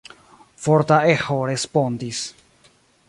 Forta eĥo respondis.